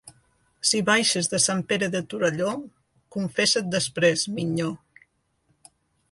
Si baixes de Sant Pere de Torelló, confessa't després, minyó.